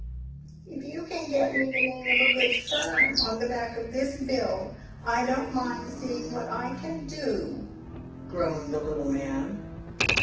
"If you can get me the name of a good firm on the back of this bill, I don't mind seeing what I can do," groaned the little man.